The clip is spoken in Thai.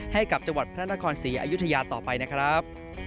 ให้กับจังหวัดพระนครศรีอยุธยาต่อไปนะครับ